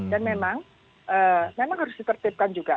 dan memang harus ditertibkan juga